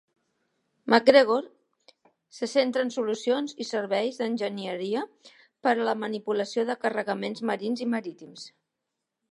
MacGregor se centra en solucions i serveis d'enginyeria per a la manipulació de carregaments marins i marítims.